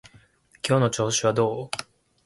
今日の調子はどう？